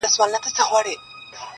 نسلونه تېرېږي بيا بيا تل,